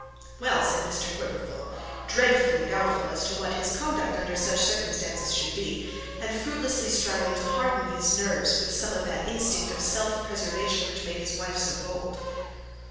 'Well,' said Mr Quiverful, dreadfully doubtful as to what his conduct under such circumstances should be, and fruitlessly striving to harden his nerves with some of that instinct of self preservation which made his wife so bold.